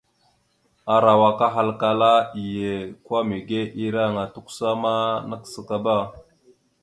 Arawak ahalkala iye kwa mege ireŋa tʉkəsaba ma nakəsakaba.